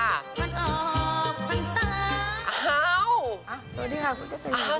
สวัสดีครับคุณแจ๊กกะรีน